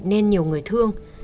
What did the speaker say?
nhiều người thương